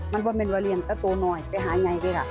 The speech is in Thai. ไม่ว่าเรียงก็โตง่ายไปหาไงด้วยค่ะ